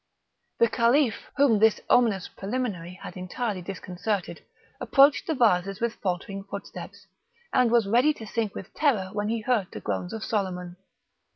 The Caliph, whom this ominous preliminary had entirely disconcerted, approached the vases with faltering footsteps, and was ready to sink with terror when he heard the groans of Soliman.